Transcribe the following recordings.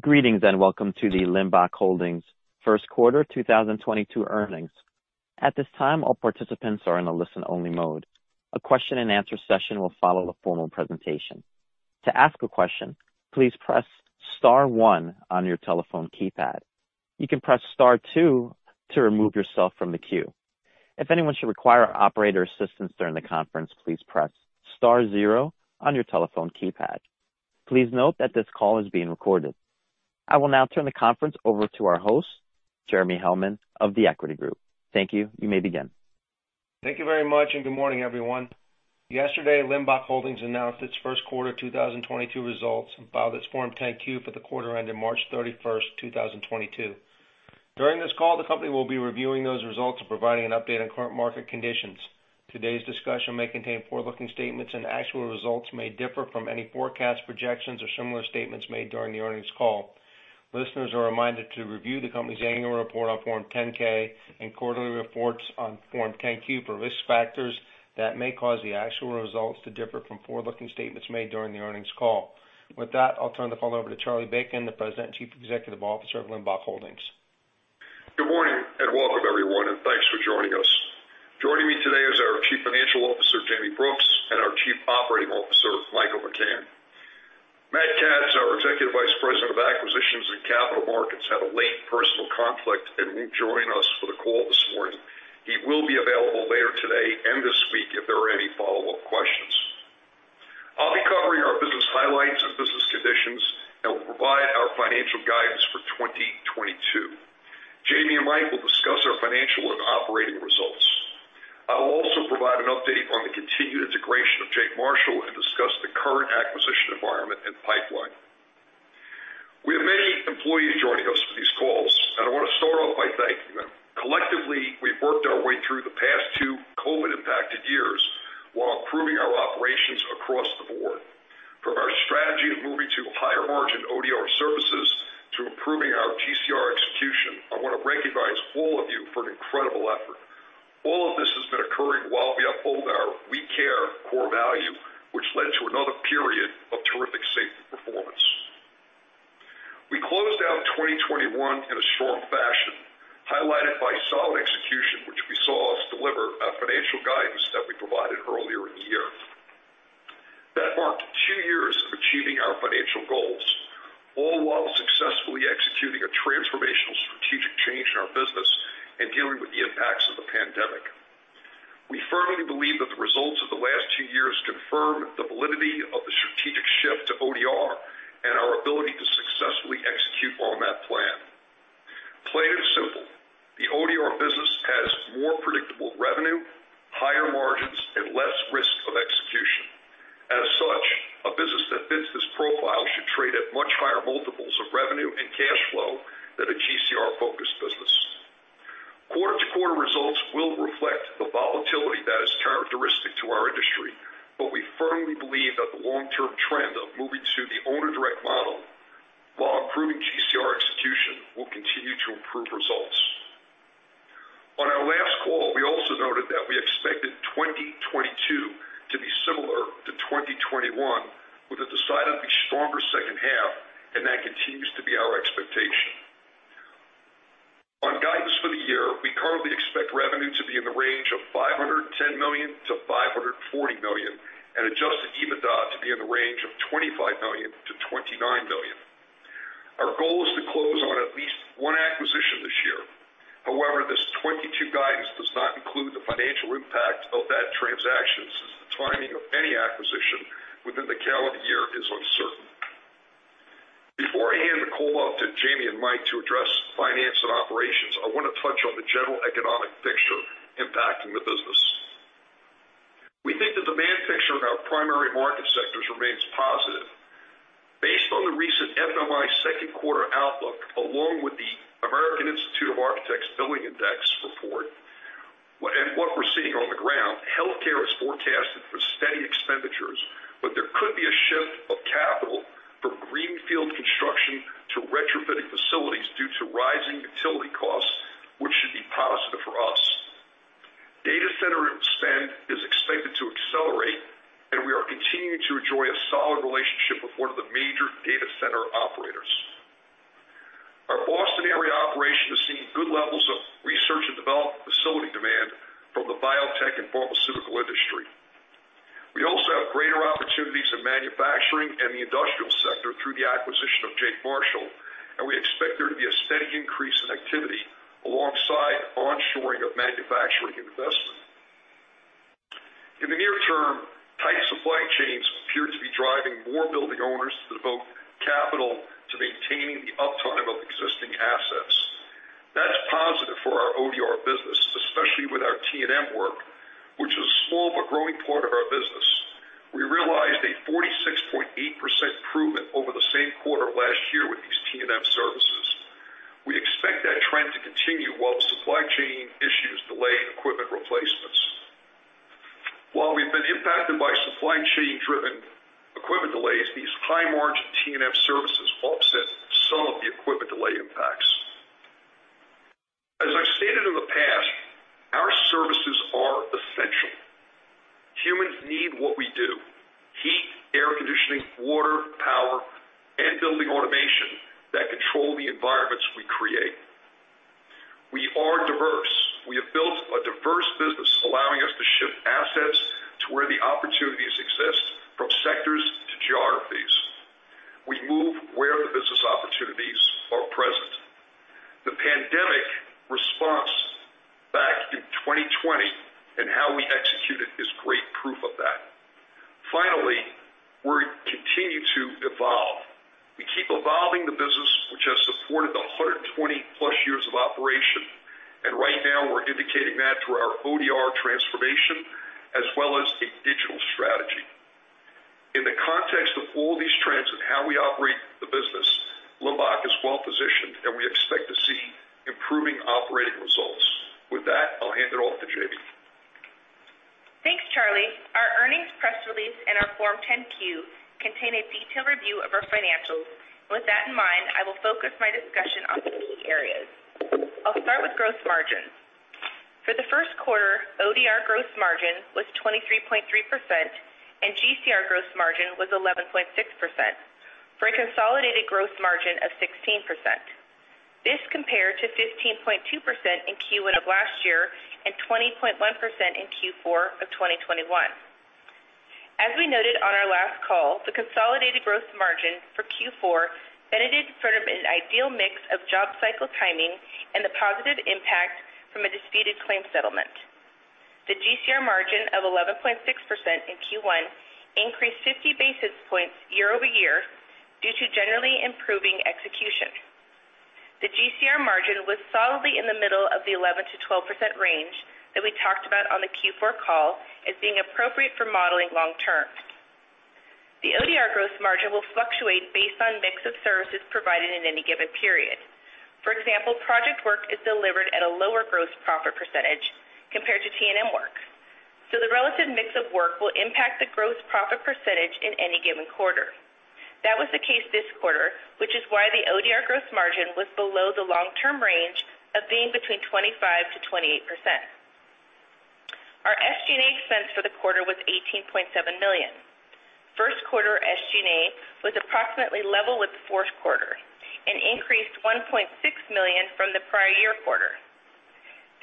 Greetings, and welcome to the Limbach Holdings first quarter 2022 earnings. At this time, all participants are in a listen-only mode. A question-and-answer session will follow the formal presentation. To ask a question, please press star one on your telephone keypad. You can press star two to remove yourself from the queue. If anyone should require operator assistance during the conference, please press star zero on your telephone keypad. Please note that this call is being recorded. I will now turn the conference over to our host, Jeremy Hellman of The Equity Group. Thank you. You may begin. Thank you very much, and good morning, everyone. Yesterday, Limbach Holdings announced its first quarter 2022 results and filed its Form 10-Q for the quarter ended March 31st, 2022. During this call, the company will be reviewing those results and providing an update on current market conditions. Today's discussion may contain forward-looking statements, and actual results may differ from any forecast, projections, or similar statements made during the earnings call. Listeners are reminded to review the company's annual report on Form 10-K and quarterly reports on Form 10-Q for risk factors that may cause the actual results to differ from forward-looking statements made during the earnings call. With that, I'll turn the call over to Charlie Bacon, the President and Chief Executive Officer of Limbach Holdings. Good morning, and welcome, everyone, and thanks for joining us. Joining me today is our Chief Financial Officer, Jayme Brooks, and our Chief Operating Officer, Michael McCann. Matt Katz, our Executive Vice President of Acquisitions and Capital Markets, had a late personal conflict and won't join us for the call this morning. He will be available later today and this week if there are any follow-up questions. I'll be covering our business highlights and business conditions and will provide our financial guidance for 2022. Jayme and Mike will discuss our financial and operating results. I will also provide an update on the continued integration of Jake Marshall and discuss the current acquisition environment and pipeline. We have many employees joining us for these calls, and I wanna start off by thanking them. Collectively, we've worked our way through the past two COVID-impacted years while improving our operations across the board. From our strategy of moving to higher-margin ODR services to improving our GCR execution, I wanna recognize all of you for an incredible effort. All of this has been occurring while we uphold our we care core value, which led to another period of terrific safety performance. We closed out 2021 in a strong fashion, highlighted by solid execution, which saw us deliver a financial guidance that we provided earlier in the year. That marked two years of achieving our financial goals, all while successfully executing a transformational strategic change in our business and dealing with the impacts of the pandemic. We firmly believe that the results of the last two years confirm the validity of the strategic shift to ODR and our ability to successfully execute on that plan. Plain and simple, the ODR business has more predictable revenue, higher margins, and less risk of execution. As such, a business that fits this profile should trade at much higher multiples of revenue and cash flow than a GCR-focused business. Quarter-to-quarter results will reflect the volatility that is characteristic to our industry, but we firmly believe that the long-term trend of moving to the owner direct model while improving GCR execution will continue to improve results. On our last call, we also noted that we expected 2022 to be similar to 2021, with a decidedly stronger second half, and that continues to be our expectation. On guidance for the year, we currently expect revenue to be in the range of $510 million-$540 million and adjusted EBITDA to be in the range of $25 million-$29 million. Our goal is to close on at least one acquisition this year. However, this 2022 guidance does not include the financial impact of that transaction since the timing of any acquisition within the calendar year is uncertain. Before I hand the call off to Jayme and Mike to address finance and operations, I wanna touch on the general economic picture impacting the business. We think that the demand picture in our primary market sectors remains positive. Based on the recent FMI second quarter outlook, along with the American Institute of Architects Architecture Billings Index report, and what we're seeing on the ground, healthcare is forecasted for steady expenditures, but there could be a shift of capital from greenfield construction to retrofitting facilities due to rising utility costs, which should be positive for us. Data center spend is expected to accelerate, and we are continuing to enjoy a solid relationship with one of the major data center operators. Our Boston area operation is seeing good levels of research and development facility demand from the biotech and pharmaceutical industry. We also have greater opportunities in manufacturing and the industrial sector through the acquisition of Jake Marshall, and we expect there to be a steady increase in activity alongside onshoring of manufacturing investment. In the near term, tight supply chains appear to be driving more building owners to devote capital to maintaining the uptime of existing assets. That's positive for our ODR business, especially with our T&M work, which is a small but growing part of our business. We realized a 46.8% improvement over the same quarter last year with these T&M services. We expect that trend to continue while supply chain issues delay equipment replacements. While we've been impacted by supply chain-driven equipment delays, these high-margin T&M services will offset some of the equipment delay impacts. Humans need what we do, heat, air conditioning, water, power, and building automation that control the environments we create. We are diverse. We have built a diverse business allowing us to ship assets to where the opportunities exist from sectors to geographies. We move where the business opportunities are present. The pandemic response back in 2020 and how we executed is great proof of that. Finally, we continue to evolve. We keep evolving the business, which has supported the 120+ years of operation, and right now we're indicating that through our ODR transformation as well as a digital strategy. In the context of all these trends and how we operate the business, Limbach is well positioned, and we expect to see improving operating results. With that, I'll hand it off to Jayme. Thanks, Charlie. Our earnings press release and our Form 10-Q contain a detailed review of our financials. With that in mind, I will focus my discussion on some key areas. I'll start with gross margin. For the first quarter, ODR gross margin was 23.3% and GCR gross margin was 11.6% for a consolidated gross margin of 16%. This compared to 15.2% in Q1 of last year and 20.1% in Q4 of 2021. As we noted on our last call, the consolidated gross margin for Q4 benefited from an ideal mix of job cycle timing and the positive impact from a disputed claim settlement. The GCR margin of 11.6% in Q1 increased 50 basis points year-over-year due to generally improving execution. The GCR margin was solidly in the middle of the 11%-12% range that we talked about on the Q4 call as being appropriate for modeling long term. The ODR gross margin will fluctuate based on mix of services provided in any given period. For example, project work is delivered at a lower gross profit percentage compared to T&M work, so the relative mix of work will impact the gross profit percentage in any given quarter. That was the case this quarter, which is why the ODR gross margin was below the long-term range of being between 25%-28%. Our SG&A expense for the quarter was $18.7 million. First quarter SG&A was approximately level with the fourth quarter and increased $1.6 million from the prior year quarter.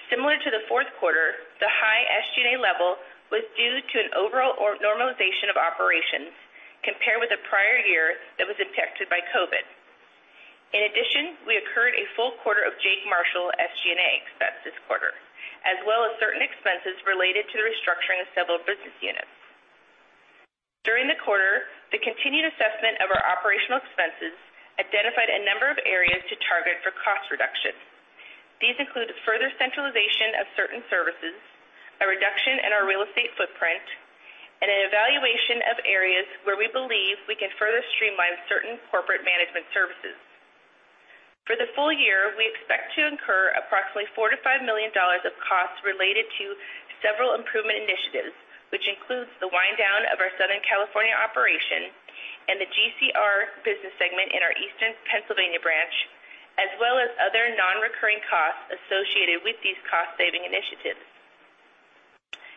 Similar to the fourth quarter, the high SG&A level was due to an overall normalization of operations compared with the prior year that was affected by COVID. In addition, we incurred a full quarter of Jake Marshall SG&A expense this quarter, as well as certain expenses related to the restructuring of several business units. During the quarter, the continued assessment of our operational expenses identified a number of areas to target for cost reduction. These include further centralization of certain services, a reduction in our real estate footprint, and an evaluation of areas where we believe we can further streamline certain corporate management services. For the full year, we expect to incur approximately $4 million-$5 million of costs related to several improvement initiatives, which includes the wind down of our Southern California operation and the GCR business segment in our Eastern Pennsylvania branch, as well as other non-recurring costs associated with these cost-saving initiatives.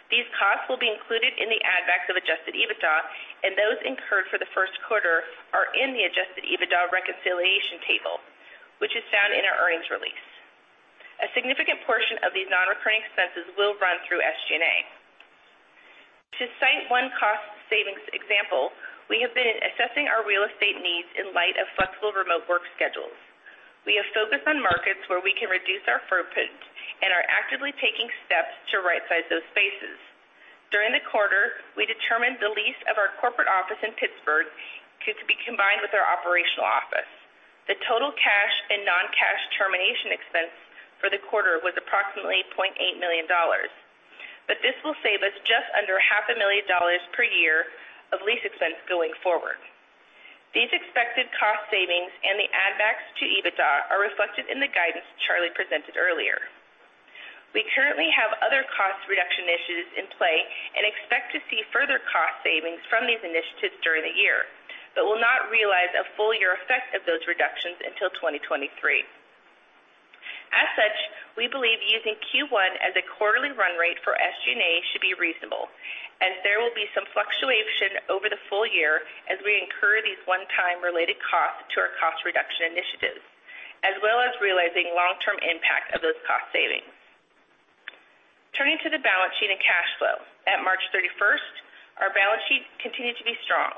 These costs will be included in the add-backs of adjusted EBITDA, and those incurred for the first quarter are in the adjusted EBITDA reconciliation table, which is found in our earnings release. A significant portion of these non-recurring expenses will run through SG&A. To cite one cost savings example, we have been assessing our real estate needs in light of flexible remote work schedules. We have focused on markets where we can reduce our footprint and are actively taking steps to rightsize those spaces. During the quarter, we determined the lease of our corporate office in Pittsburgh could be combined with our operational office. The total cash and non-cash termination expense for the quarter was approximately $0.8 million. This will save us just under half a million dollars per year of lease expense going forward. These expected cost savings and the add-backs to EBITDA are reflected in the guidance Charlie presented earlier. We currently have other cost reduction initiatives in play and expect to see further cost savings from these initiatives during the year, but will not realize a full year effect of those reductions until 2023. As such, we believe using Q1 as a quarterly run rate for SG&A should be reasonable, as there will be some fluctuation over the full year as we incur these one-time related costs to our cost reduction initiatives, as well as realizing long-term impact of those cost savings. Turning to the balance sheet and cash flow. At March 31st, our balance sheet continued to be strong.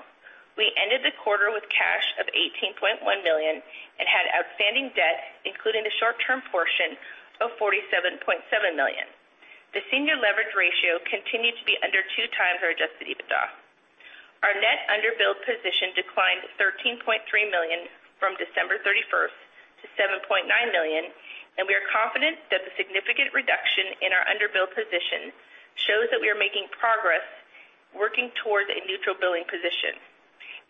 We ended the quarter with cash of $18.1 million and had outstanding debt, including the short-term portion of $47.7 million. The senior leverage ratio continued to be under 2x our adjusted EBITDA. Our net underbill position declined $13.3 million from December 31st to $7.9 million, and we are confident that the significant reduction in our underbill position shows that we are making progress working towards a neutral billing position.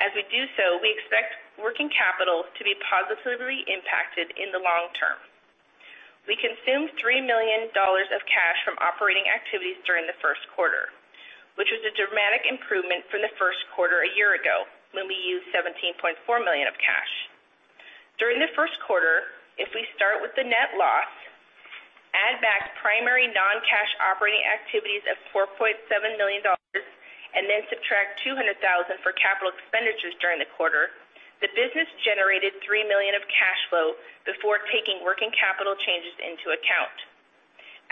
As we do so, we expect working capital to be positively impacted in the long term. We consumed $3 million of cash from operating activities during the first quarter, which was a dramatic improvement from the first quarter a year ago when we used $17.4 million of cash. During the first quarter, if we start with the net loss, add back primary non-cash operating activities of $4.7 million, and then subtract $200,000 for capital expenditures during the quarter, the business generated $3 million of cash flow before taking working capital changes into account.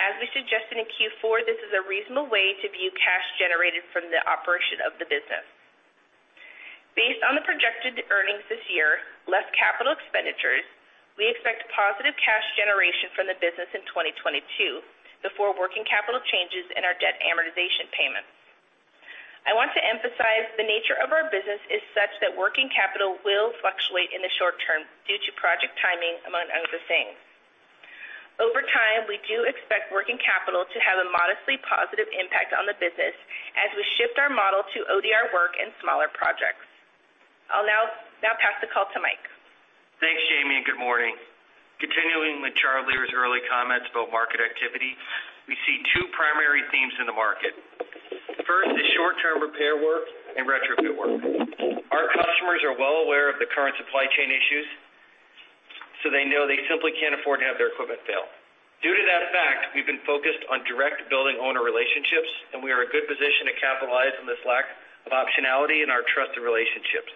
As we suggested in Q4, this is a reasonable way to view cash generated from the operation of the business. Based on the projected earnings this year, less capital expenditures, we expect positive cash generation from the business in 2022 before working capital changes in our debt amortization payments. I want to emphasize the nature of our business is such that working capital will fluctuate in the short term due to project timing, among other things. Over time, we do expect working capital to have a modestly positive impact on the business as we shift our model to ODR work and smaller projects. I'll now pass the call to Mike. Thanks, Jayme, and good morning. Continuing with Charlie's early comments about market activity, we see two primary themes in the market. First is short-term repair work and retrofit work. Our customers are well aware of the current supply chain issues, so they know they simply can't afford to have their equipment fail. Due to that fact, we've been focused on direct building owner relationships, and we are in a good position to capitalize on this lack of optionality in our trusted relationships.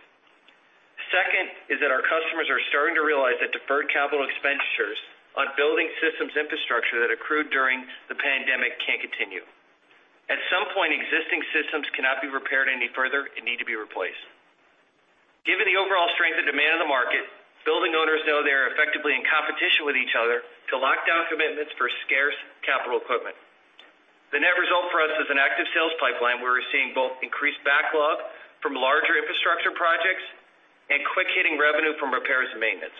Second is that our customers are starting to realize that deferred capital expenditures on building systems infrastructure that accrued during the pandemic can't continue. At some point, existing systems cannot be repaired any further and need to be replaced. Given the overall strength of demand in the market, building owners know they are effectively in competition with each other to lock down commitments for scarce capital equipment. The net result for us is an active sales pipeline where we're seeing both increased backlog from larger infrastructure projects and quick-hitting revenue from repairs and maintenance.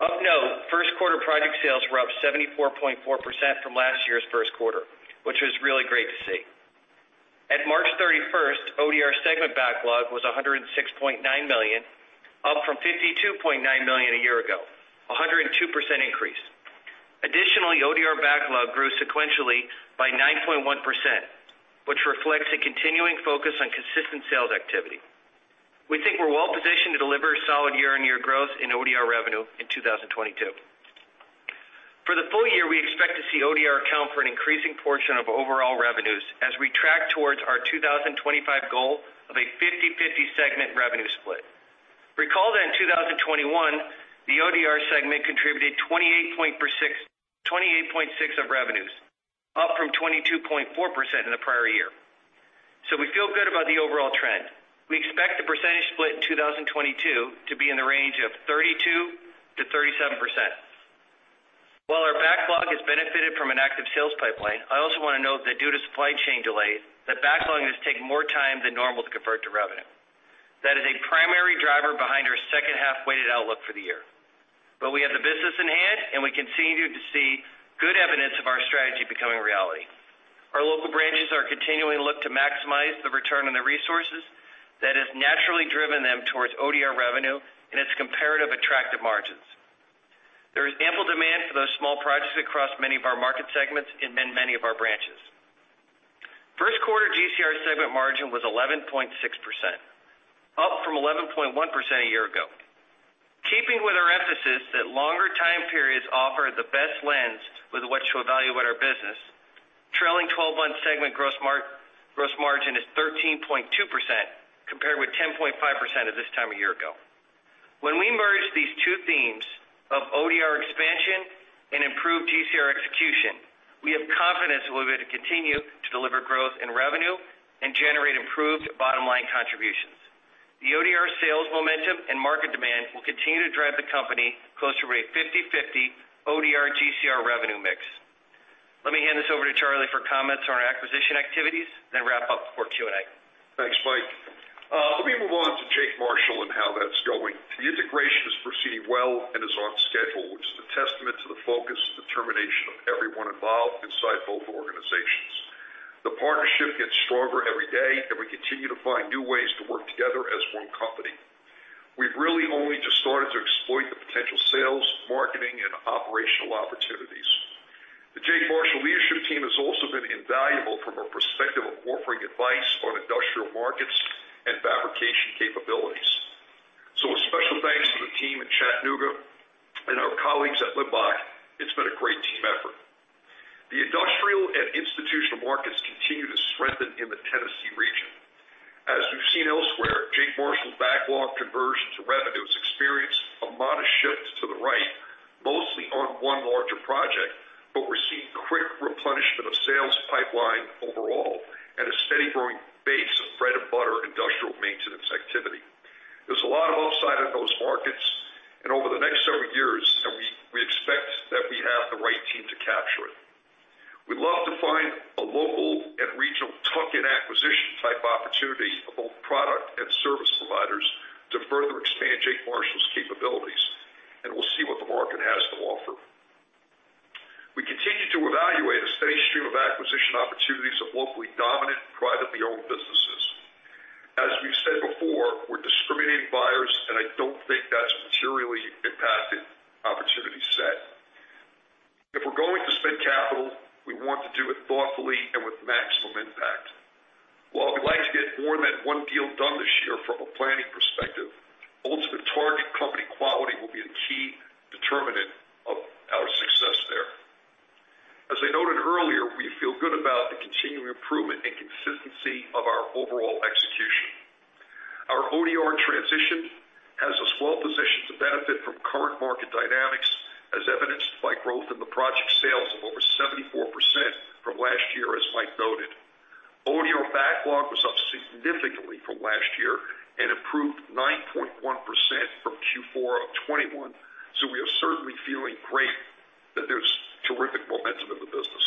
Of note, first quarter project sales were up 74.4% from last year's first quarter, which was really great to see. At March 31, ODR segment backlog was $106.9 million, up from $52.9 million a year ago, 102% increase. Additionally, ODR backlog grew sequentially by 9.1%, which reflects a continuing focus on consistent sales activity. We think we're well positioned to deliver solid year-on-year growth in ODR revenue in 2022. For the full year, we expect to see ODR account for an increasing portion of overall revenues as we track towards our 2025 goal of a 50/50 segment revenue split. Recall that in 2021, the ODR segment contributed 28.6% of revenues, up from 22.4% in the prior year. We feel good about the overall trend. We expect the percentage split in 2022 to be in the range of 32%-37%. While our backlog has benefited from an active sales pipeline, I also wanna note that due to supply chain delays, that backlog has taken more time than normal to convert to revenue. That is a primary driver behind our second half-weighted outlook for the year. We have the business in hand, and we continue to see good evidence of our strategy becoming reality. Our local branches are continuing to look to maximize the return on their resources that has naturally driven them towards ODR revenue and its comparatively attractive margins. There is ample demand for those small projects across many of our market segments and in many of our branches. First quarter GCR segment margin was 11.6%, up from 11.1% a year ago. Keeping with our emphasis that longer time periods offer the best lens with which to evaluate our business, trailing 12-month segment gross margin is 13.2%, compared with 10.5% at this time a year ago. When we merge these two themes of ODR expansion and improved GCR execution, we have confidence we're going to continue to deliver growth in revenue and generate improved bottom line contributions. The ODR sales momentum and market demand will continue to drive the company closer to a 50/50 ODR GCR revenue mix. Let me hand this over to Charlie for comments on our acquisition activities, then wrap up before Q&A. Thanks, Mike. Let me move on to Jake Marshall and how that's going. The integration is proceeding well and is on schedule, which is a testament to the focus and determination of everyone involved inside both organizations. The partnership gets stronger every day, and we continue to find new ways to work together as one company. We've really only just started to exploit the potential sales, marketing, and operational opportunities. The Jake Marshall leadership team has also been invaluable from a perspective of offering advice on industrial markets and fabrication capabilities. So a special thanks to the team in Chattanooga and our colleagues at Limbach. It's been a great team effort. The industrial and institutional markets continue to strengthen in the Tennessee region. As we've seen elsewhere, J. Marshall's backlog conversion to revenues experienced a modest shift to the right, mostly on one larger project, but we're seeing quick replenishment of sales pipeline overall and a steady growing base of bread and butter industrial maintenance activity. There's a lot of upside in those markets, and over the next several years, and we expect that we have the right team to capture it. We'd love to find a local and regional tuck-in acquisition type opportunity for both product and service providers to further expand Jake Marshall's capabilities, and we'll see what the market has to offer. We continue to evaluate a steady stream of acquisition opportunities of locally dominant, privately owned businesses. As we've said before, we're discriminating buyers, and I don't think that's materially impacted, thoughtfully and with maximum impact. While we'd like to get more than one deal done this year from a planning perspective, ultimate target company quality will be a key determinant of our success there. As I noted earlier, we feel good about the continuing improvement and consistency of our overall execution. Our ODR transition has us well positioned to benefit from current market dynamics as evidenced by growth in the project sales of over 74% from last year, as Mike noted. ODR backlog was up significantly from last year and improved 9.1% from Q4 of 2021. We are certainly feeling great that there's terrific momentum in the business.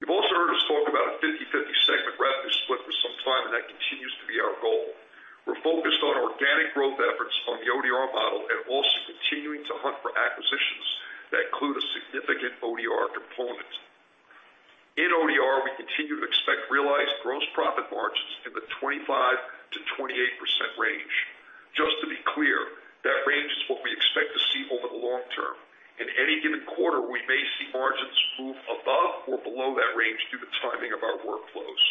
You've also heard us talk about a 50/50 segment revenue split for some time, and that continues to be our goal. We're focused on organic growth efforts on the ODR model and also continuing to hunt for acquisitions that include a significant ODR component. In ODR, we continue to expect realized gross profit margins in the 25%-28% range. Just to be clear, that range is what we expect to see over the long term. In any given quarter, we may see margins move above or below that range due to timing of our workflows.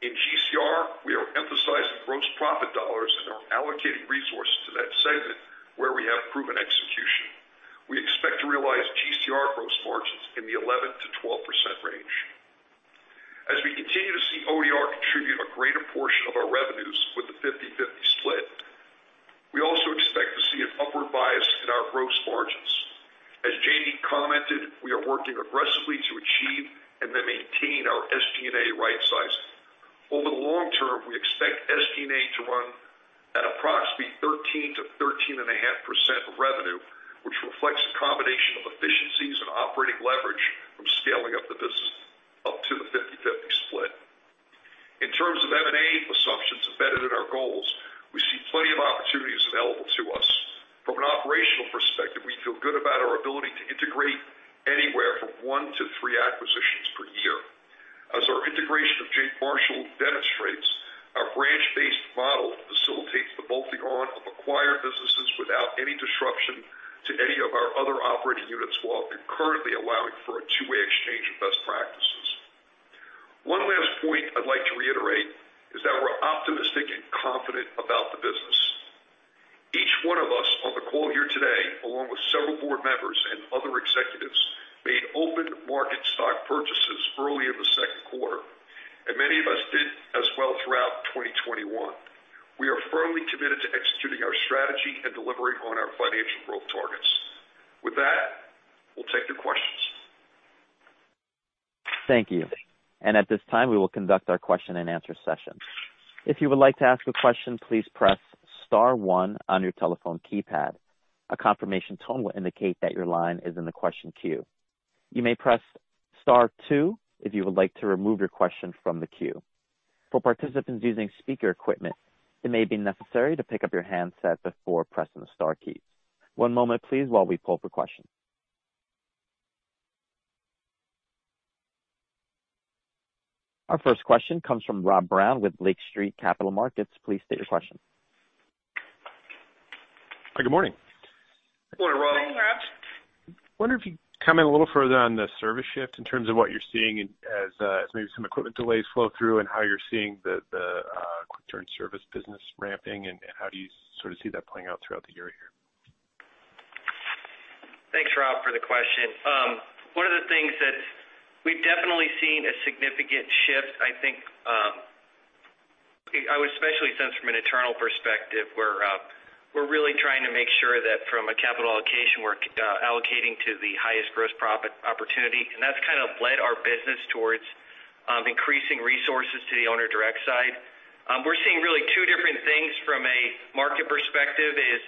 In GCR, we are emphasizing gross profit dollars and are allocating resources to that segment where we have proven execution. We expect to realize GCR gross margins in the 11%-12% range. As we continue to see ODR contribute a greater portion of our revenues with the 50/50 split, we also expect to see an upward bias in our gross margins. As Jayme commented, we are working aggressively to achieve and then maintain our SG&A right sizing. Over the long term, we expect SG&A to run at approximately 13%-13.5% of revenue, which reflects a combination of efficiencies and operating leverage from scaling up the business up to the 50/50 split. In terms of M&A assumptions embedded in our goals, we see plenty of opportunities available to us. From an operational perspective, we feel good about our ability to integrate anywhere from 1-3 acquisitions per year. As our integration of Jake Marshall demonstrates, our branch-based model facilitates the bolting on of acquired businesses without any disruption to any of our other operating units while concurrently allowing for a two-way exchange of best practices. One last point I'd like to reiterate is that we're optimistic and confident about the business. Each one of us on the call here today, along with several board members and other executives, made open market stock purchases early in the second quarter, and many of us did as well throughout 2021. We are firmly committed to executing our strategy and delivering on our financial growth targets. With that, we'll take your questions. Thank you. At this time, we will conduct our question-and-answer session. If you would like to ask a question, please press star one on your telephone keypad. A confirmation tone will indicate that your line is in the question queue. You may press star two if you would like to remove your question from the queue. For participants using speaker equipment, it may be necessary to pick up your handset before pressing the star keys. One moment please while we pull for questions. Our first question comes from Rob Brown with Lake Street Capital Markets. Please state your question. Hi, good morning. Good morning, Rob. Morning, Rob. Wonder if you can comment a little further on the service shift in terms of what you're seeing as maybe some equipment delays flow through and how you're seeing the quick turn service business ramping, and how do you sort of see that playing out throughout the year here? Thanks, Rob, for the question. One of the things that we've definitely seen a significant shift, I think, I would especially since from an internal perspective, we're really trying to make sure that from a capital allocation, we're allocating to the highest gross profit opportunity. And that's kind of led our business towards increasing resources to the Owner Direct side. We're seeing really two different things from a market perspective is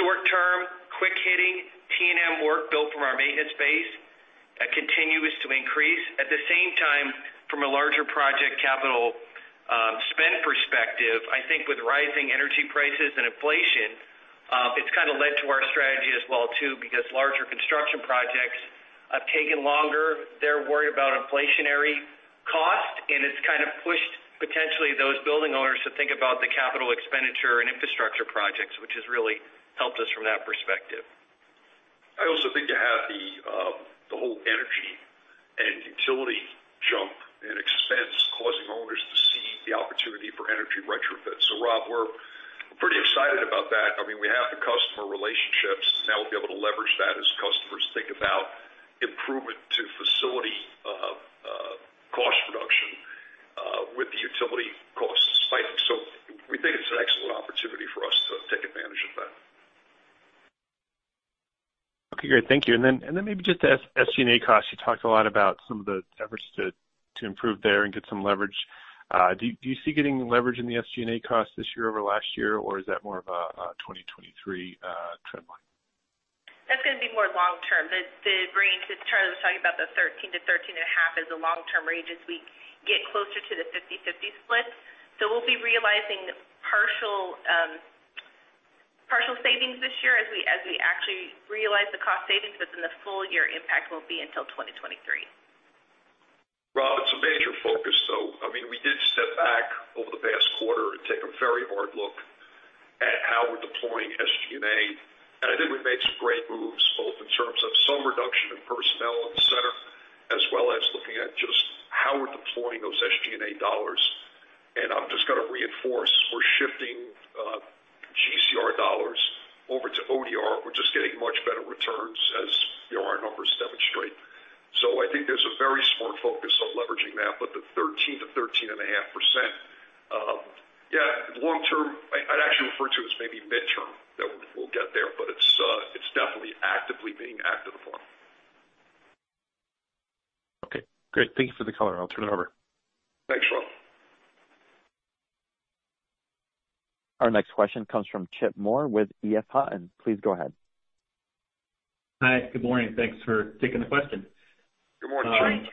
short term, quick hitting T&M work built from our maintenance base that continues to increase. At the same time, from a larger project capital spend perspective, I think with rising energy prices and inflation, it's kind of led to our strategy as well too, because larger construction projects have taken longer. They're worried about inflationary cost, and it's kind of pushed potentially those building owners to think about the capital expenditure and infrastructure projects, which has really helped us from that perspective. I also think you have the whole energy and utility jump in expense causing owners to see the opportunity for energy retrofits. Rob, we're pretty excited about that. I mean, we have the customer relationships, now we'll be able to leverage that as customers think about improvement to facility, cost reduction, with the utility costs spiking. We think it's an excellent opportunity for us to take advantage of that. Okay, great. Thank you. Maybe just the SG&A costs. You talked a lot about some of the efforts to improve there and get some leverage. Do you see getting leverage in the SG&A costs this year over last year, or is that more of a 2023 trend line? That's gonna be more long term. Charlie was talking about the 13-13.5 as a long term range as we get closer to the 50/50 split. We'll be realizing partial savings this year as we actually realize the cost savings, but then the full year impact won't be until 2023. We step back over the past quarter and take a very hard look at how we're deploying SG&A. I think we've made some great moves, both in terms of some reduction in personnel in the center, as well as looking at just how we're deploying those SG&A dollars. I'm just gonna reinforce, we're shifting GCR dollars over to ODR. We're just getting much better returns as our numbers demonstrate. I think there's a very smart focus on leveraging that. The 13%-13.5%, yeah, long term, I'd actually refer to as maybe mid-term that we'll get there, but it's definitely actively being acted upon. Okay, great. Thank you for the color. I'll turn it over. Thanks, Rob. Our next question comes from Chip Moore with EF Hutton. Please go ahead. Hi. Good morning. Thanks for taking the question. Good morning, Chip.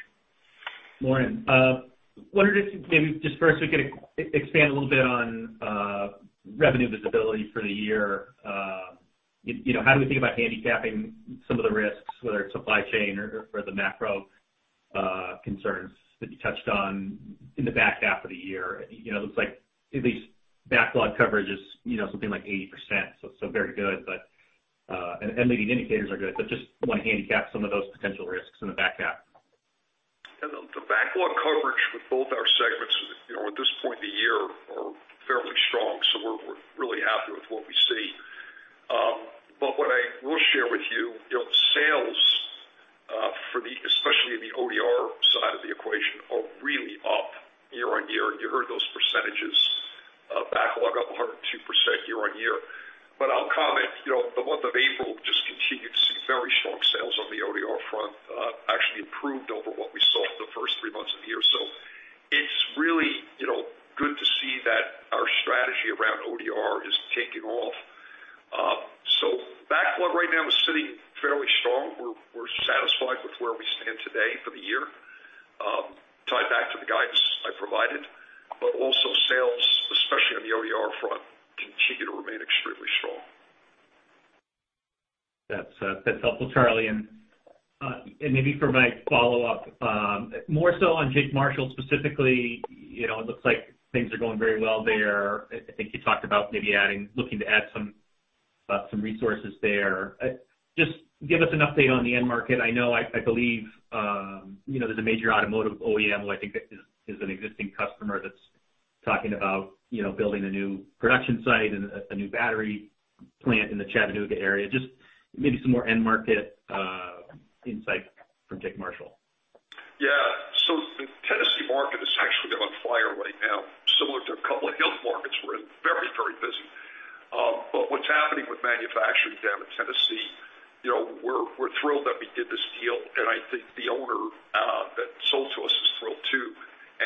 Morning. Wondered if maybe just first we could expand a little bit on revenue visibility for the year. How do we think about handicapping some of the risks, whether it's supply chain or for the macro concerns that you touched on in the back half of the year? You know, looks like at least backlog coverage is something like 80%, so very good. And leading indicators are good, but just wanna handicap some of those potential risks in the back half. The backlog coverage with both our segments at this point in the year are fairly strong, so we're really happy with what we see. But what I will share with sales especially in the ODR side of the equation, are really up year-on-year. You Yeah. The Tennessee market is actually on fire right now, similar to a couple of hills markets we're in. Very, very busy. What's happening with manufacturing down in Tennessee, we're thrilled that we did this deal, and I think the owner that sold to us is thrilled too.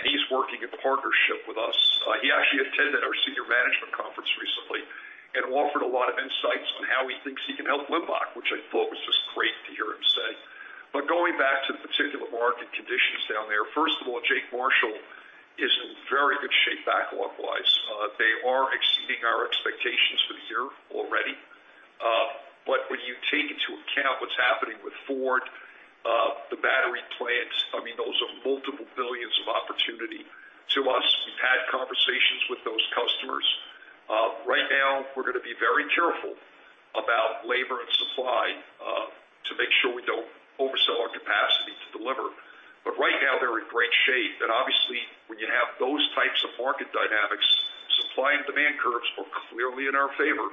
He's working in partnership with us. He actually attended our senior management conference recently and offered a lot of insights on how he thinks he can help Limbach, which I thought was just great to hear him say. Going back to the particular market conditions down there, first of all, Jake Marshall is in very good shape backlog-wise. They are exceeding our expectations for the year already. When you take into account what's happening with Ford, the battery plants, I mean, those are multiple billions of opportunity to us. We've had conversations with those customers. Right now we're gonna be very careful about labor and supply to make sure we don't oversell our capacity to deliver. Right now they're in great shape. Obviously, when you have those types of market dynamics, supply and demand curves are clearly in our favor.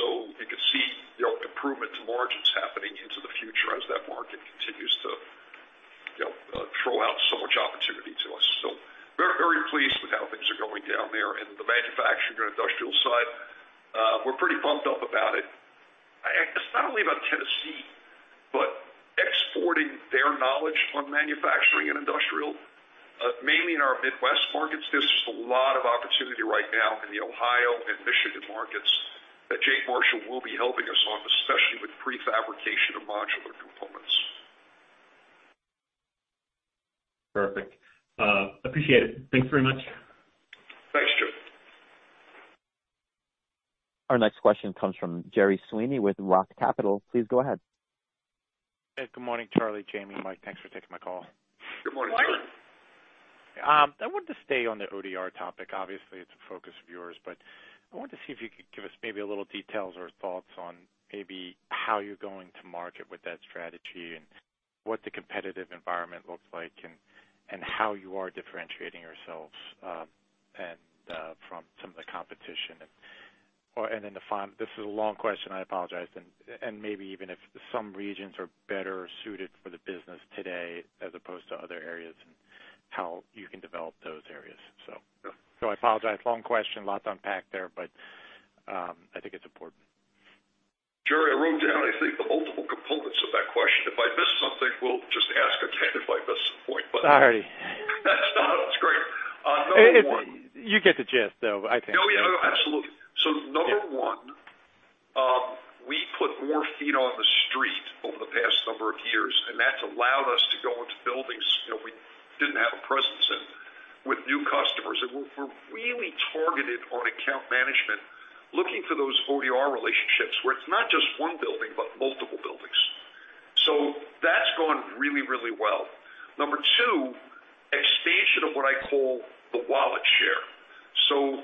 You can see improvement to margins happening into the future as that market continues to throw out so much opportunity to us. Very, very pleased with how things are going down there in the manufacturing and industrial side. We're pretty pumped up about it. It's not only about Tennessee, but exporting their knowledge on manufacturing and industrial, mainly in our Midwest markets. There's just a lot of opportunity right now in the Ohio and Michigan markets that Jake Marshall will be helping us on, especially with prefabrication of modular components. Perfect. Appreciate it. Thanks very much. Thanks, Chip. Our next question comes from Gerry Sweeney with ROTH Capital Partners. Please go ahead. Good morning, Charlie, Jayme, Mike, thanks for taking my call. Good morning. Morning. I wanted to stay on the ODR topic. Obviously, it's a focus of yours. I wanted to see if you could give us maybe a little details or thoughts on maybe how you're going to market with that strategy and what the competitive environment looks like and how you are differentiating yourselves, and from some of the competition. This is a long question, I apologize. Maybe even if some regions are better suited for the business today as opposed to other areas and how you can develop those areas. Yeah. I apologize, long question, lots to unpack there, but I think it's important. Gerry, I wrote down, I think, the multiple components of that question. If I miss something, we'll just ask again if I miss a point. All righty. That's great. Number one- You get the gist though, I think. No, yeah, absolutely. Yeah. Number one, we put more feet on the street over the past number of years, and that's allowed us to go into buildings where we didn't have a presence in with new customers. We're really targeted on account management, looking for those ODR relationships where it's not just one building but multiple buildings. That's gone really, really well. Number two, expansion of what I call the wallet share.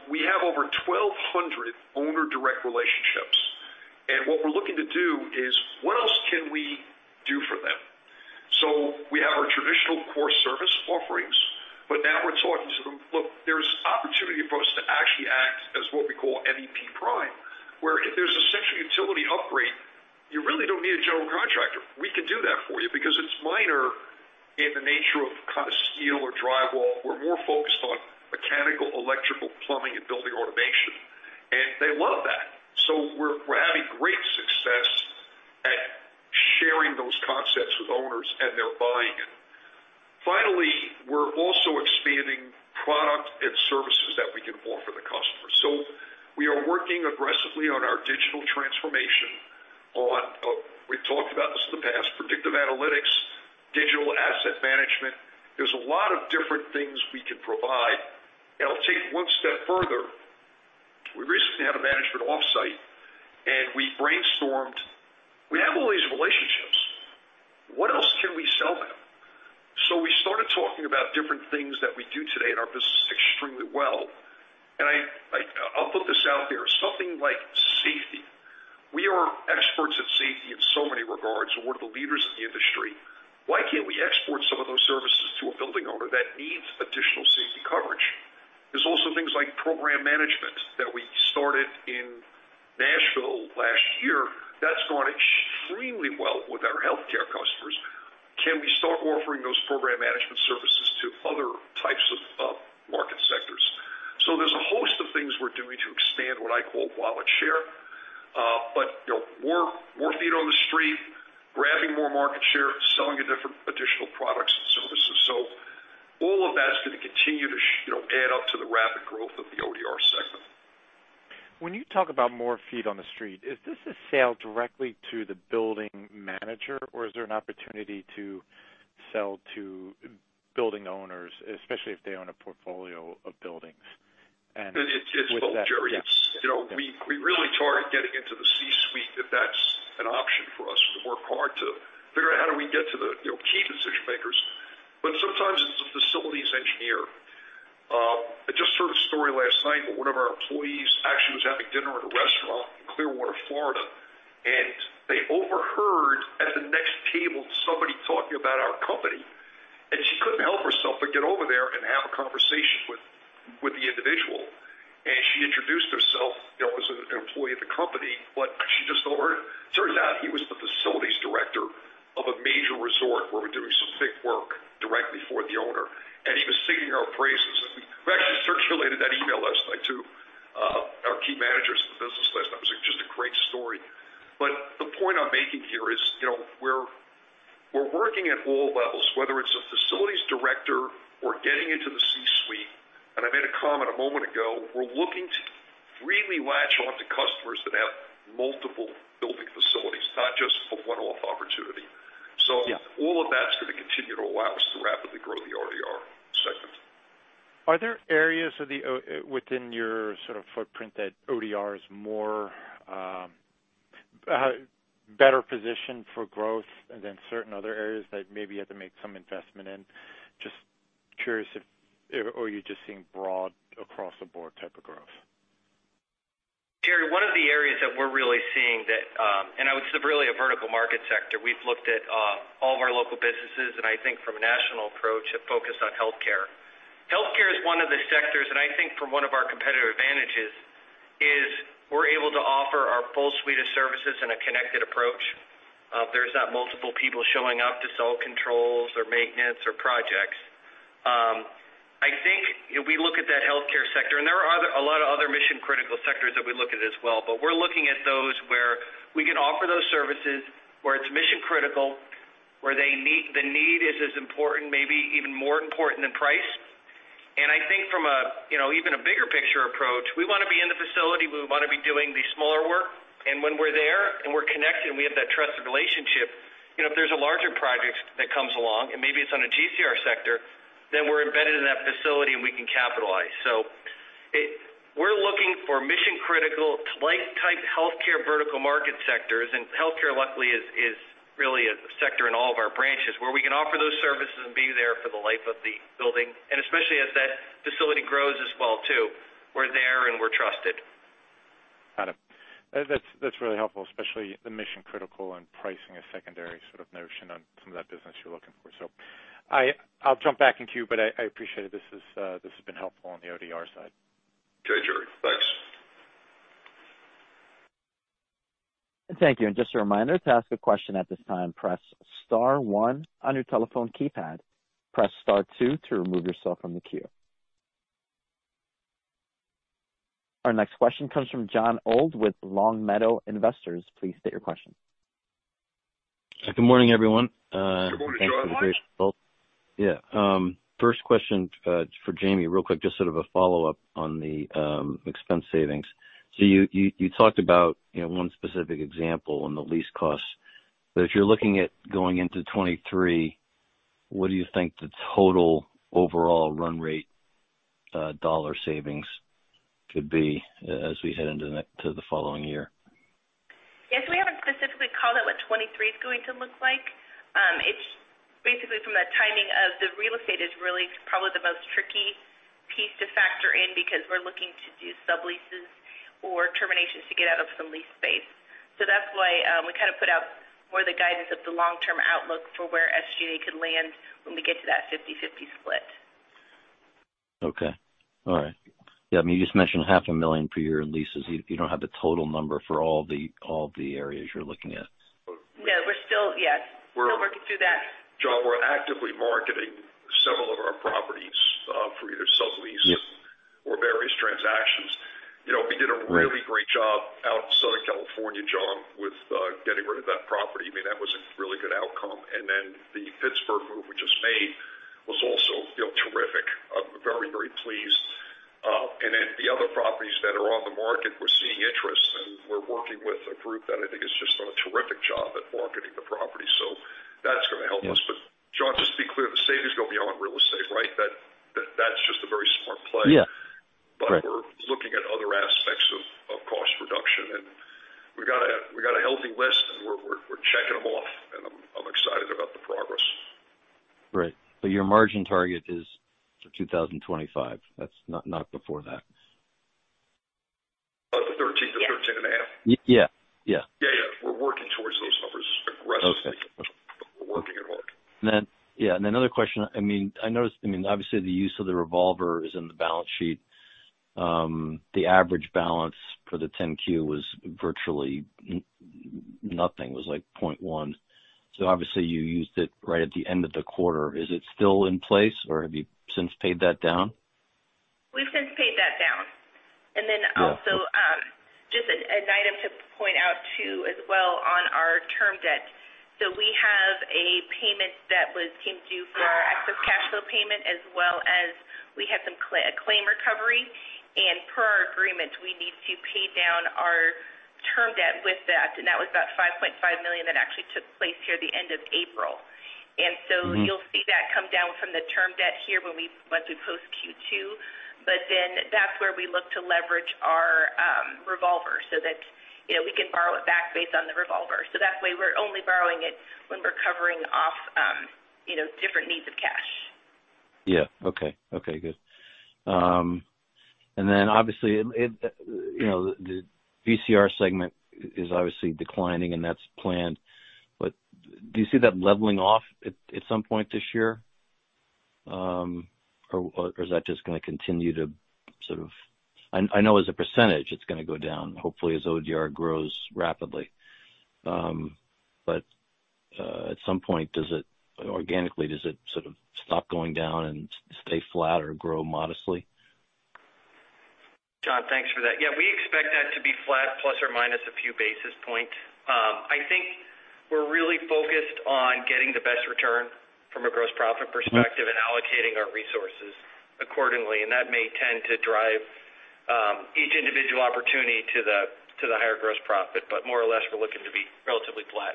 We have over 1,200 owner direct relationships, and what we're looking to do is what else can we do for them? We have our traditional core service offerings, but now we're talking to them. Look, there's opportunity for us to actually act as what we call MEP prime, where if there's a central utility upgrade, you really don't need a general contractor. We can do that for you because it's minor in the nature of kind of steel or drywall. We're more focused on mechanical, electrical, plumbing, and building automation, and they love that. We're having great success at sharing those concepts with owners, and they're buying it. Finally, we're also expanding product and services that we can offer the customer. We are working aggressively on our digital transformation on, we've talked about this in the past, predictive analytics, digital asset management. There's a lot of different things we can provide. I'll take it one step further. We recently had a management offsite, and we brainstormed. We have all these relationships. What else can we sell them? We started talking about different things that we do today, and our business is extremely well. I'll put this out there, something like safety. We are experts at safety in so many regards, and we're the leaders in the industry. Why can't we export some of those services to a building owner that needs additional safety coverage? There's also things like program management that we started in Nashville last year. That's gone extremely well with our healthcare customers. Can we start offering those program management services to other types of market sectors? There's a host of things we're doing to expand what I call wallet share, but, more feet on the street, grabbing more market share, selling a different additional products and services. All of that's gonna continue to you know, add up to the rapid growth of the ODR segment. When you talk about more feet on the street, is this a sale directly to the building manager, or is there an opportunity to sell to building owners, especially if they own a portfolio of buildings? It's both, Gerry. Yes. Yes. We really target getting into the C-suite if that's an option for us. We work hard to figure out how do we get to the key decision makers. Sometimes it's a facilities engineer. I just heard a story last night where one of our employees actually was having dinner at a restaurant in Clearwater, Florida, and they overheard at the next table somebody talking about our company, and she couldn't help herself but get over there and have a conversation with the individual. She introduced herself as an employee of the company, but she just overheard. Turns out he was the facilities director of a major resort where we're doing some big work directly for the owner, and he was singing our praises. We actually circulated that email last night to our key managers in the business list. That was just a great story. The point I'm making here is we're working at all levels, whether it's a facilities director or getting into the C-suite. I made a comment a moment ago, we're looking to really latch on to customers that have multiple building facilities, not just a one-off opportunity. Yeah. All of that's gonna continue to allow us to rapidly grow the ODR segment. Are there areas within your sort of footprint that ODR is more better positioned for growth than certain other areas that maybe you have to make some investment in? Just curious or are you just seeing broad across the board type of growth? Jerry, one of the areas that we're really seeing that, and it's really a vertical market sector. We've looked at all of our local businesses and I think from a national approach have focused on healthcare. Healthcare is one of the sectors, and I think from one of our competitive advantages, is we're able to offer our full suite of services in a connected approach. There's not multiple people showing up to sell controls or maintenance or projects. I think if we look at that healthcare sector, and there are a lot of other mission-critical sectors that we look at as well, but we're looking at those where we can offer those services, where it's mission critical, where the need is as important, maybe even more important than price. I think from a even a bigger picture approach, we wanna be in the facility. We wanna be doing the smaller work. When we're there and we're connected and we have that trusted relationship if there's a larger project that comes along and maybe it's on a GCR sector, then we're embedded in that facility and we can capitalize. We're looking for mission critical life type healthcare vertical market sectors. Healthcare luckily is really a sector in all of our branches where we can offer those services and be there for the life of the building, and especially as that facility grows as well too. We're there and we're trusted. Got it. That's really helpful, especially the mission critical and pricing a secondary sort of notion on some of that business you're looking for. I'll jump back into you, but I appreciate it. This has been helpful on the ODR side. Okay, Gerry. Thanks. Thank you. Just a reminder, to ask a question at this time, press star one on your telephone keypad. Press star two to remove yourself from the queue. Our next question comes from Jon Old with Longmeadow Investors. Please state your question. Good morning, everyone. Good morning, John. Thanks for the great results. Yeah. First question, for Jayme, real quick, just sort of a follow-up on the expense savings. You talked about one specific example on the lease costs. If you're looking at going into 2023, what do you think the total overall run rate dollar savings could be as we head into the following year. Yes, we haven't specifically called out what 2023 is going to look like. It's basically from the timing of the real estate is really probably the most tricky piece to factor in because we're looking to do subleases or terminations to get out of some lease space. That's why we kind of put out more of the guidance of the long-term outlook for where SG&A could land when we get to that 50/50 split. Okay. All right. Yeah, I mean, you just mentioned half a million per year in leases. You don't have the total number for all the areas you're looking at. Yes, we're working through that. Jon, we're actively marketing several of our properties, for either sublease- Yes. various transactions. You know, we did. Right. Really great job out in Southern California, John, with getting rid of that property. I mean, that was a really good outcome. Then the Pittsburgh move we just made was also, you know, terrific. I'm very, very pleased. The other properties that are on the market, we're seeing interest, and we're working with a group that I think has just done a terrific job at marketing the property. That's gonna help us. Yeah. John, just to be clear, the savings go beyond real estate, right? That's just a very smart play. Yeah. Right. We're looking at other aspects of cost reduction. We got a healthy list, and we're checking them off, and I'm excited about the progress. Right. Your margin target is for 2025. That's not before that. Uh, the thirteen to thirteen and a half. Yeah. Yeah. Yeah, yeah. We're working towards those numbers aggressively. Okay. We're working hard. I mean, I noticed, I mean, obviously the use of the revolver is in the balance sheet. The average balance for the 10-Q was virtually nothing. It was like $0.1. Obviously you used it right at the end of the quarter. Is it still in place or have you since paid that down? We've since paid that down. Just an item to point out too as well on our term debt. We have a payment that was came due for our excess cash flow payment as well as we had some claim recovery. Per our agreement, we need to pay down our term debt with that, and that was about $5.5 million that actually took place here at the end of April. You'll see that come down from the term debt here once we post Q2. That's where we look to leverage our revolver so that, we can borrow it back based on the revolver. That way we're only borrowing it when we're covering off different needs of cash. Yeah. Okay. Okay, good. Obviously it, you know, the GCR segment is obviously declining, and that's planned. Do you see that leveling off at some point this year? Or is that just gonna continue? I know as a percentage it's gonna go down, hopefully as ODR grows rapidly. At some point, does it organically sort of stop going down and stay flat or grow modestly? Jon, thanks for that. Yeah. We expect that to be flat plus or minus a few basis points. I think we're really focused on getting the best return from a gross profit perspective. Allocating our resources accordingly. That may tend to drive each individual opportunity to the higher gross profit. More or less, we're looking to be relatively flat.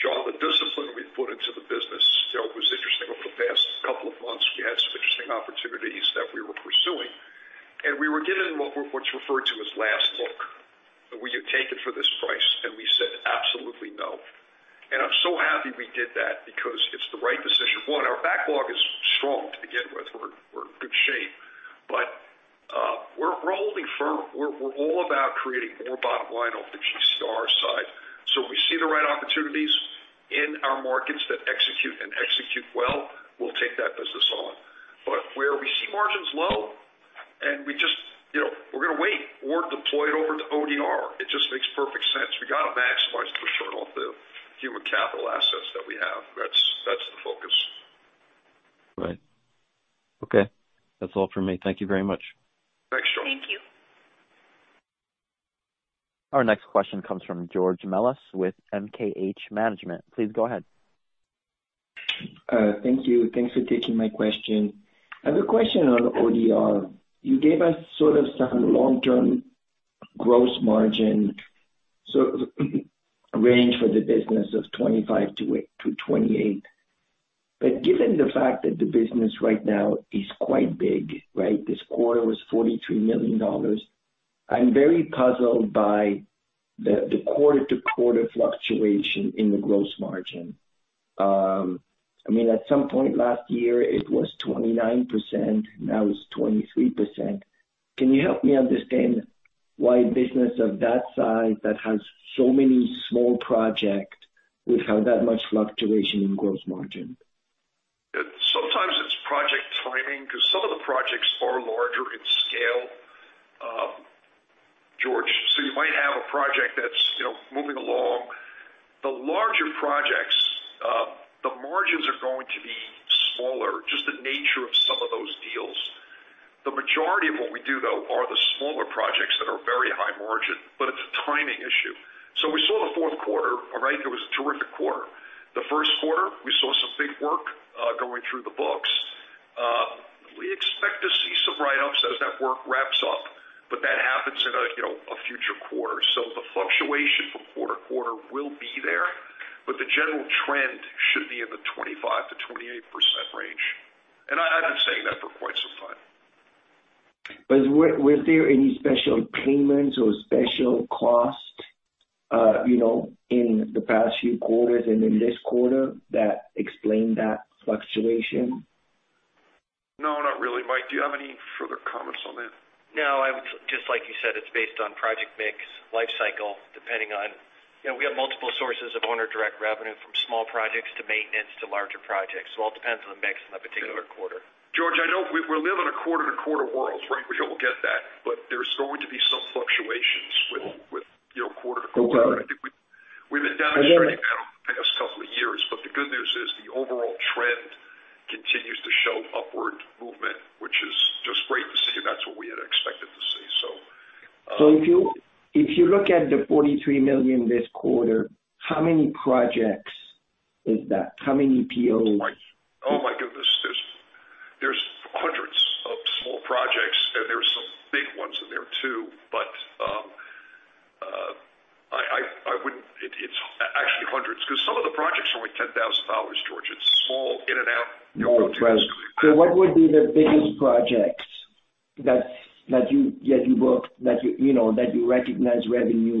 Jon, the discipline we put into the business, you know, it was interesting over the past couple of months. We had some interesting opportunities that we were pursuing, and we were given what's referred to as last look. Will you take it for this price? We said absolutely no. I'm so happy we did that because it's the right decision. One, our backlog is strong to begin with. We're in good shape, but we're holding firm. We're all about creating more bottom line off the GCR side. We see the right opportunities in our markets that execute and execute well. We'll take that business on. Where we see margins low and we just, you know, we're gonna wait or deploy it over to ODR. It just makes perfect sense. We gotta maximize the return off the human capital assets that we have. That's the focus. Right. Okay. That's all for me. Thank you very much. Thanks, Jon. Thank you. Our next question comes from George Melas with MKH Management. Please go ahead. Thank you. Thanks for taking my question. I have a question on ODR. You gave us sort of some long-term gross margin sort of range for the business of 25%-28%. Given the fact that the business right now is quite big, right? This quarter was $43 million. I'm very puzzled by the quarter-to-quarter fluctuation in the gross margin. I mean, at some point last year, it was 29%, now it's 23%. Can you help me understand why a business of that size that has so many small project would have that much fluctuation in gross margin? Sometimes it's project timing because some of the projects are larger in scale, George. You might have a project that's moving along. The larger projects, the margins are going to be smaller, just the nature of some of those deals. The majority of what we do, though, are the smaller projects that are very high margin, but it's a timing issue. We saw the fourth quarter, all right, it was a terrific quarter. The first quarter, we saw some big work going through the books. We expect to see some write-ups as that work wraps up, but that happens in a future quarter. The fluctuation from quarter to quarter will be there. The general trend should be in the 25%-28% range. I've been saying that for quite some time. Were there any special payments or special costs in the past few quarters and in this quarter that explain that fluctuation? No, not really. Mike, do you have any further comments on that? Just like you said, it's based on project mix, life cycle, depending on we have multiple sources of owner direct revenue from small projects to maintenance to larger projects. It all depends on the mix in that particular quarter. George, I know we live in a quarter-to-quarter world, right? We all get that. There's going to be some fluctuations with quarter-to-quarter. Okay. I think we've been down this trend now the past couple of years, but the good news is the overall trend continues to show upward movement, which is just great to see. That's what we had expected to see, so. If you look at the $43 million this quarter, how many projects is that? How many POs? Oh my goodness, there's hundreds of small projects, and there's some big ones in there too. It's actually hundreds because some of the projects are only $10,000, George. It's small in and out. No, true. What would be the biggest projects that you booked that you recognized revenue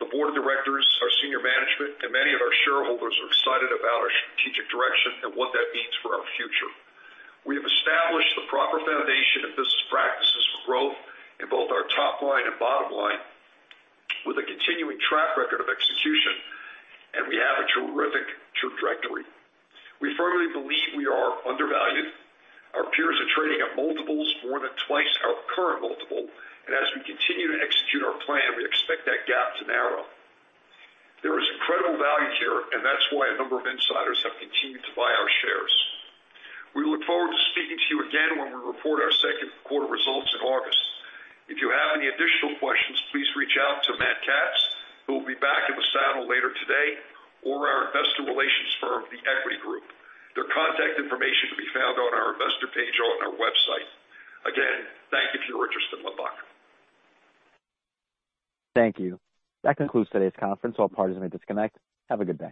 the board of directors, our senior management, and many of our shareholders are excited about our strategic direction and what that means for our future. We have established the proper foundation and business practices for growth in both our top line and bottom line with a continuing track record of execution, and we have a terrific trajectory. We firmly believe we are undervalued. Our peers are trading at multiples more than twice our current multiple, and as we continue to execute our plan, we expect that gap to narrow. There is incredible value here, and that's why a number of insiders have continued to buy our shares. We look forward to speaking to you again when we report our second quarter results in August. If you have any additional questions, please reach out to Matt Katz, who will be back in the saddle later today, or our investor relations firm, The Equity Group. Their contact information can be found on our investor page on our website. Again, thank you for your interest in Limbach. Thank you. That concludes today's conference. All parties may disconnect. Have a good day.